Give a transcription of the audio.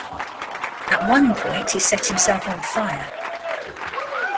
At one point he set himself on fire.